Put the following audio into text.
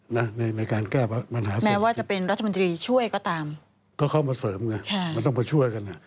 แม้ว่าจะเป็นรัฐมนตรีช่วยก็ตามก็เข้ามาเสริมมาช่วยกัน